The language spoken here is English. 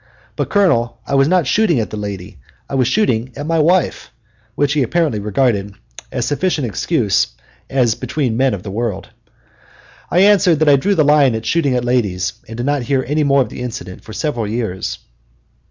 But, Colonel, I was not shooting at the lady. I was shooting at my wife," which he apparently regarded as a sufficient excuse as between men of the world. I answered that I drew the line at shooting at ladies, and did not hear any more of the incident for several years.